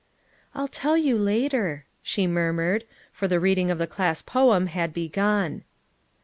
"I'll tell you later," she murmured, for the reading of the class poem had begun.